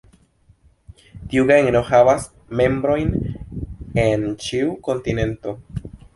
Tiu genro havas membrojn en ĉiu kontinento.